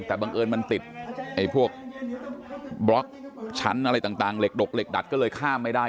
แต่บังเอิญมันติดไอ้พวกบล็อกชั้นอะไรต่างเหล็กดกเหล็กดัดก็เลยข้ามไม่ได้